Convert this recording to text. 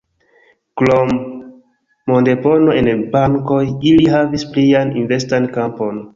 Krom mondepono en bankoj, ili havis plian investan kampon.